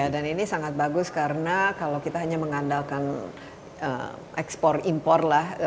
dan ini sangat bagus karena kalau kita hanya mengandalkan ekspor impor